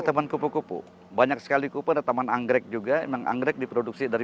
taman kupu kupu banyak sekali kupu ada taman anggrek juga emang anggrek diproduksi dari